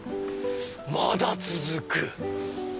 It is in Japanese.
まだ続く！